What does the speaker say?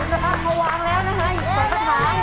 เร็วเร็วเร็วเร็วเร็ว